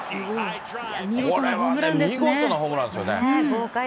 これはね、見事なホームランですよね。